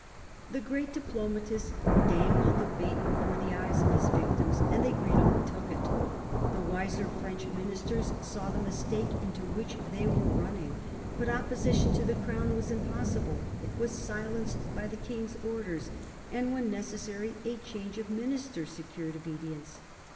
The great diplomatist dangled the bait before the eyes of his victims, and they greedily took it. The wiser French ministers saw the mistake into which they were running. But opposition to the crown was impossible ; it was silenced by the king's orders, and when necessary a change of ministers secured obedience.